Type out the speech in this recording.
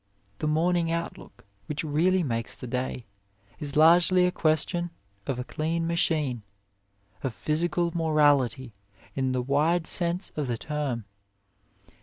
The morning outlook which really makes the day is largely a question of a clean machine of physical 37 A WAY morality in the wide sense of the term.